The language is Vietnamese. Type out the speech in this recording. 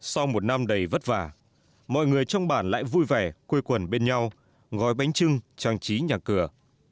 sau một năm đầy vất vả mọi người trong bản lại vui vẻ quây quần bên nhau gói bánh trưng trang trí nhà cửa